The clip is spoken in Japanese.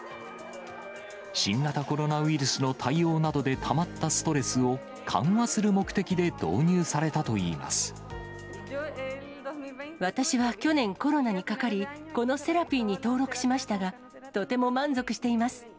新型コロナウイルスの対応などでたまったストレスを緩和する目的私は去年、コロナにかかり、このセラピーに登録しましたが、とても満足しています。